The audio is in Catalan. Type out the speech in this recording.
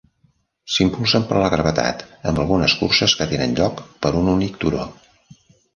S'impulsen per la gravetat, amb algunes curses que tenen lloc per un únic turó.